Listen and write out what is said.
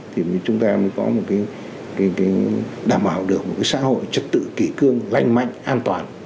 thì chúng ta mới có một cái đảm bảo được một cái xã hội trật tự kỷ cương lanh mạnh an toàn